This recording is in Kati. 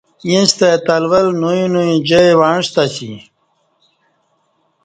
ییں ستہ اہ تلول نوئ نوئ جائ وعݩستہ اسی